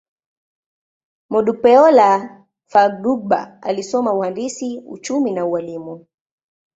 Modupeola Fadugba alisoma uhandisi, uchumi, na ualimu.